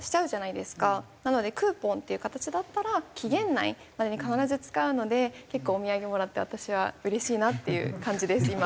なのでクーポンっていう形だったら期限内までに必ず使うので結構お土産もらって私は嬉しいなっていう感じです今。